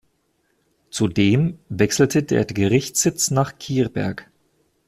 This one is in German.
Zudem wechselte der Gerichtssitz nach Kirberg.